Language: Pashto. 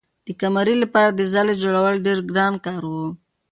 د قمرۍ لپاره د ځالۍ جوړول ډېر ګران کار و.